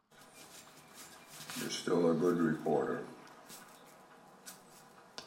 You're still a good reporter.